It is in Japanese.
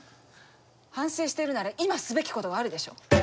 反省してるなら今すべきことがあるでしょ？